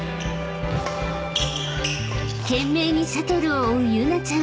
［懸命にシャトルを追うユナちゃん］